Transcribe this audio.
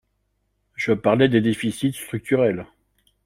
Je parlais des déficits structurels